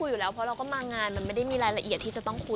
ดูเขาก็ยังแบบเบิดเบิดอยู่นิดนึงนะ